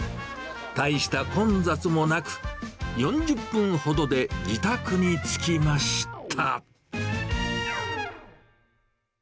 大した混雑もなく、４０分ほどで自宅に着きました。